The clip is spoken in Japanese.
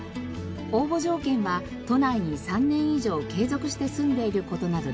応募条件は都内に３年以上継続して住んでいる事などです。